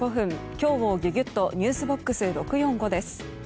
今日もギュギュッとｎｅｗｓＢＯＸ６４５です。